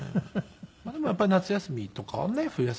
でもやっぱり夏休みとかはね冬休みとか。